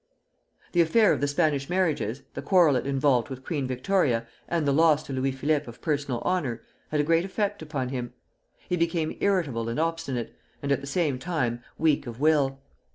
The affair of the Spanish marriages, the quarrel it involved with Queen Victoria, and the loss to Louis Philippe of personal honor, had a great effect upon him; he became irritable and obstinate, and at the same time weak of will.